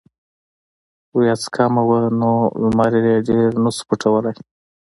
وريځ کمه وه نو نمر يې ډېر نۀ شو پټولے ـ